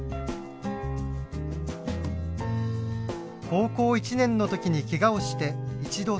高校１年の時にけがをして一度退部。